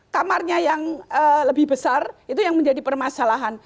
kamarnya yang lebih besar itu yang menjadi permasalahan